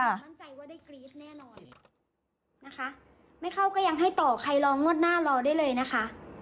นะคะแม่เขาก็ยังให้ต่อใครรองวดหน้ารอได้เลยนะคะ